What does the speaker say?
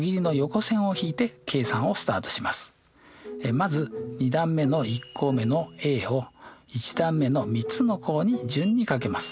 まず２段目の１項目のａを１段目の３つの項に順に掛けます。